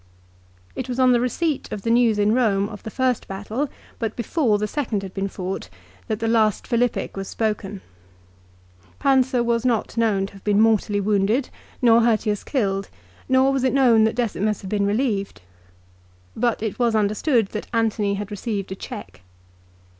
It was on the receipt of the news in Rome of the first battle, but before the second had been fought, that the last Philippic was spoken. Pansa was not known to have been mortally wounded, nor Hirtius killed, nor was it known that Decimus had been relieved. But it was understood that Antony had received a check.